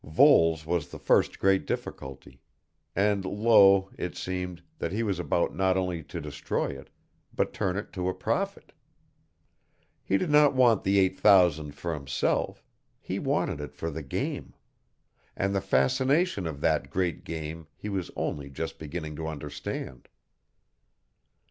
Voles was the first great difficulty, and lo, it seemed, that he was about not only to destroy it, but turn it to a profit. He did not want the eight thousand for himself, he wanted it for the game; and the fascination of that great game he was only just beginning to understand.